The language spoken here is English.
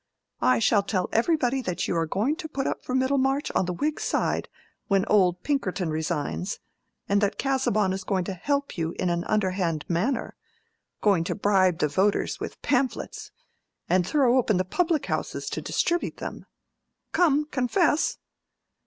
I shall tell everybody that you are going to put up for Middlemarch on the Whig side when old Pinkerton resigns, and that Casaubon is going to help you in an underhand manner: going to bribe the voters with pamphlets, and throw open the public houses to distribute them. Come, confess!"